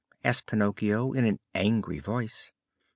asked Pinocchio in an angry voice.